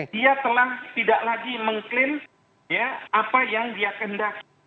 dia telah tidak lagi mengklaim apa yang dia kendaki